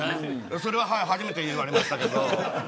それは、初めて言われましたけど。